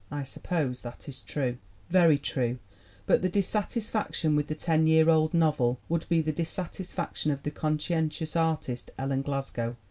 I sup pose that is true." Very true. But the dissatisfaction with the ten year old novel would be the dissatisfaction of the conscientious artist, Ellen Glasgow.